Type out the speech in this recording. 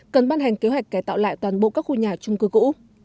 cần ban hành kế hoạch cải tạo lại toàn bộ các khu nhà trung cư cũ